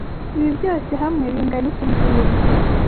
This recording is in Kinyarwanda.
Ibi byose hamwe bingana iki mbwira